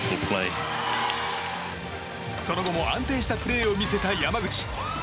その後も安定したプレーを見せた山口。